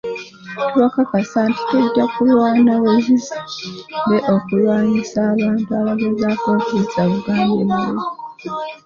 Tubakakasa nti tujja kulwana bwezizingirire okulwanyisa abantu abagezaako okuzza Buganda emabega.